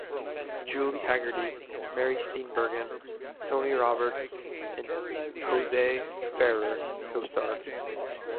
Julie Hagerty, Mary Steenburgen, Tony Roberts and Jose Ferrer co-starred.